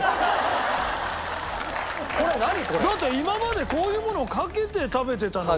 だって今までこういうものをかけて食べてたのに。